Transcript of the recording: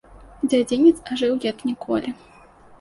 Дзядзінец ажыў як ніколі.